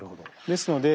ですので